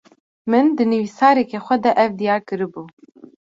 Min, di nivîsareke xwe de, ev diyar kiribû